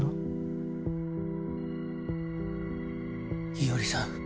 伊織さん。